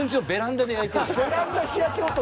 ベランダ日焼け男。